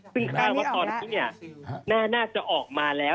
ซึ่งคาดว่าตอนนี้น่าจะออกมาแล้ว